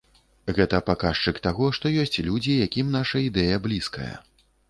Гэта паказчык таго, што ёсць людзі, якім наша ідэя блізкая.